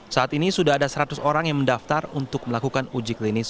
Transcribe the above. saat ini sudah ada seratus orang yang mendaftar untuk melakukan uji klinis